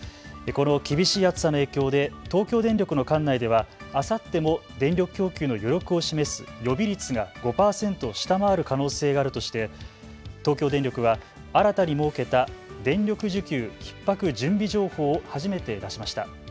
この厳しい暑さの影響で東京電力の管内ではあさっても電力供給の余力を示す、予備率が５％を下回る可能性があるとして東京電力は新たに設けた電力需給ひっ迫準備情報を初めて出しました。